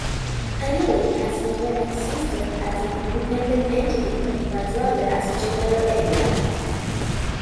Anerley has never existed as an independent entity, but rather as a general area.